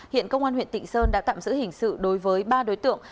hiện công an huyện tịnh sơn đã tạm giữ hình sự đối với ba đối tượng